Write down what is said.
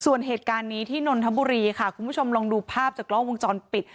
ส่วนเหตุการณ์นี้ที่นนทบุรีค่ะคุณผู้ชมลองดูภาพจากกล้องวงจรปิด